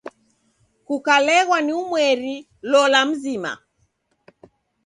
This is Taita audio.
Kukaleghwa ni umweri, lola mzima.